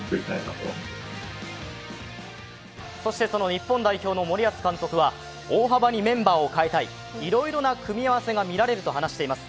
日本代表の森保監督は大幅にメンバーを変えたいいろいろな組み合わせが見られると話しています。